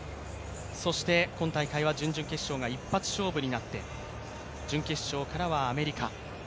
そして今大会は準々決勝が一発勝負になって、準決勝からはアメリカ。